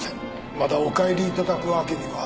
まだお帰りいただくわけには。